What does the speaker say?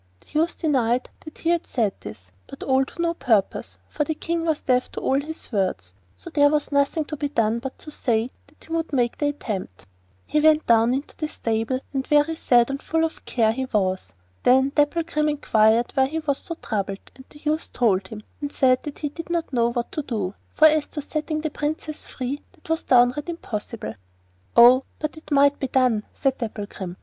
The youth denied that he had said this, but all to no purpose, for the King was deaf to all his words; so there was nothing to be done but say that he would make the attempt. He went down into the stable, and very sad and full of care he was. Then Dapplegrim inquired why he was so troubled, and the youth told him, and said that he did not know what to do, 'for as to setting the Princess free, that was downright impossible.' 'Oh, but it might be done,' said Dapplegrim.